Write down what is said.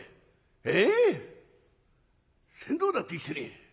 ええっ船頭だって生きてねえや。